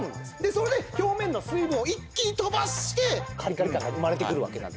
それで表面の水分を一気に飛ばしてかりかり感が生まれてくるわけなんです。